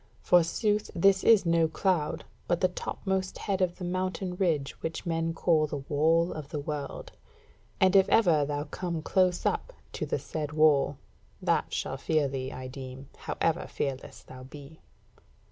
Forsooth this is no cloud, but the topmost head of the mountain ridge which men call the Wall of the World: and if ever thou come close up to the said Wall, that shall fear thee, I deem, however fearless thou be."